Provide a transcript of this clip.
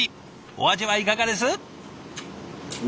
お味はいかがです？